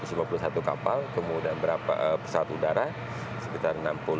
itu satu ratus lima puluh satu kapal kemudian pesawat udara sekitar lima puluh empat kapal